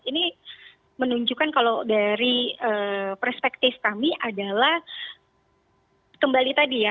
ini menunjukkan kalau dari perspektif kami adalah kembali tadi ya